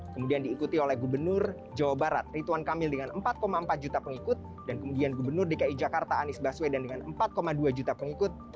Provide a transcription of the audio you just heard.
kemudian diikuti oleh gubernur jawa barat rituan kamil dengan empat empat juta pengikut dan kemudian gubernur dki jakarta anies baswedan dengan empat dua juta pengikut